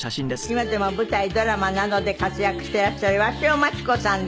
今でも舞台ドラマなどで活躍していらっしゃる鷲尾真知子さんです。